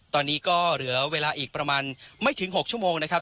ตอนนี้ก็เหลือเวลาอีกประมาณไม่ถึง๖ชั่วโมงนะครับ